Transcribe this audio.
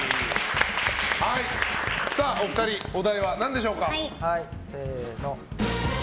お二人、お題は何でしょうか？